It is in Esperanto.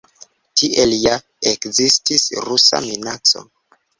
Tiel ja ekzistis rusa minaco.